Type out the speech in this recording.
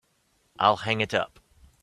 I'll hang it up.